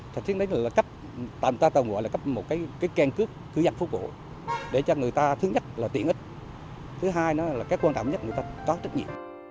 thành phố xả tiết đấy là cấp một cái kênh cướp cư dân phố cổ để cho người ta thứ nhất là tiện ích thứ hai là cái quan trọng nhất là người ta có trách nhiệm